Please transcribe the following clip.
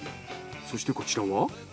そしてこちらは？